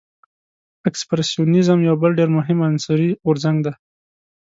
اکسپرسیونیزم یو بل ډیر مهم هنري غورځنګ دی.